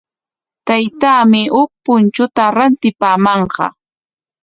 Taytaami huk punchuta rantipamanqa.